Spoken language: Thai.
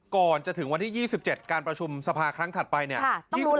ก่อนจะถึงวันที่๒๗การประชุมสภาครั้งถัดไปเนี่ย